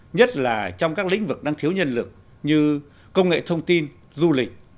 nhất là trong các lĩnh vực năng thiếu nhân lực như công nghệ thông tin du lịch